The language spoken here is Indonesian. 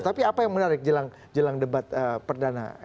tapi apa yang menarik jelang debat perdana